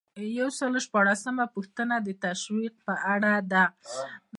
یو سل او شپږلسمه پوښتنه د تشویق په اړه ده.